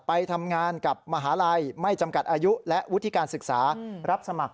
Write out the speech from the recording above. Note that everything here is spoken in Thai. ไปทำงานกับมหาลัยไม่จำกัดอายุและวุฒิการศึกษารับสมัคร